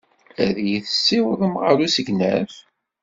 Ad iyi-tessiwḍem ɣer usegnaf?